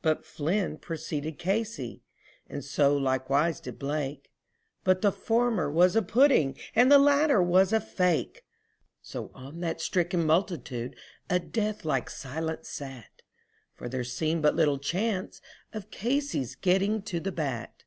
But Flynn preceded Casey, and likewise so did Blake, And the former was a pudding and the latter was a fake; So on that stricken multitude a death like silence sat, For there seemed but little chance of Casey's getting to the bat.